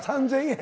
３，０００円。